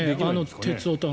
鉄オタの。